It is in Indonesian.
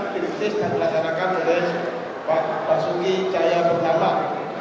dilaksanakan dan dilaksanakan oleh pak suki jaya bukalap